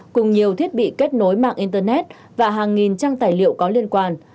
cùng nhiều thiết bị kết nối mạng internet và hàng nghìn trang tài liệu có liên quan